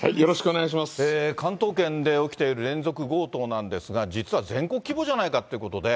関東圏で起きている連続強盗なんですが、実は全国規模じゃないかということで。